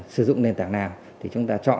sử dụng nền tảng nào thì chúng ta chọn